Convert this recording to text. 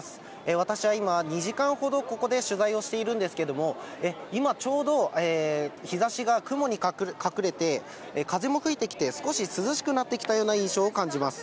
私は今、２時間ほど、ここで取材をしているんですけれども、今、ちょうど日ざしが雲に隠れて、風も吹いてきて、少し涼しくなってきたような印象を感じます。